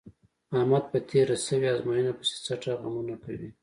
احمد په تېره شوې ازموینه پسې څټه غمونه کوي.